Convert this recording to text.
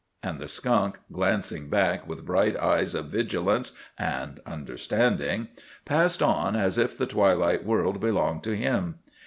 And the skunk, glancing back with bright eyes of vigilance and understanding, passed on as if the twilight world belonged to him.